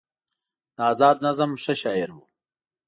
د ازاد نظم ښه شاعر و